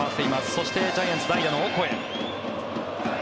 そしてジャイアンツは代打のオコエ。